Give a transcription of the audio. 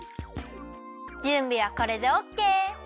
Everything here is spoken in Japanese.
じゅんびはこれでオッケー！